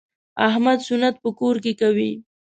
احمد سنت په کور کې کوي.